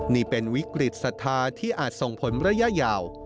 นี่เป็นวิกฤตศรัทธาที่อาจส่งผลระยะยาว